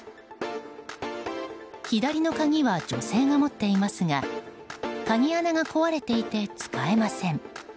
左の鍵は女性が持っていますが鍵穴が壊れていて使えません。